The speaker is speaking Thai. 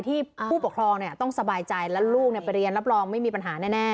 ผู้ปกครองต้องสบายใจแล้วลูกไปเรียนรับรองไม่มีปัญหาแน่